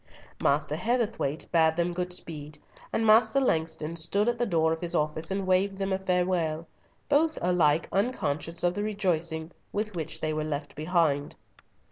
Master Heatherthwayte bade them good speed, and Master Langston stood at the door of his office and waved them a farewell, both alike unconscious of the rejoicing with which they were left behind.